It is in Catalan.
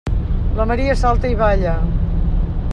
La Maria salta i balla.